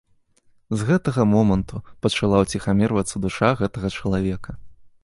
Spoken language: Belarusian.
З гэтага моманту пачала ўціхамірвацца душа гэтага чалавека.